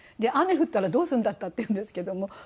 雨降ったらどうするんだった？っていうんですけども。